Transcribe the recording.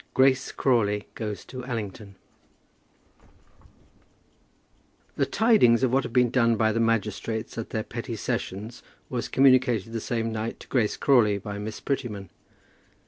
GRACE CRAWLEY GOES TO ALLINGTON. The tidings of what had been done by the magistrates at their petty sessions was communicated the same night to Grace Crawley by Miss Prettyman.